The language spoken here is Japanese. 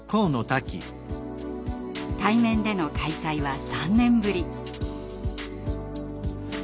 対面での開催は３年ぶり。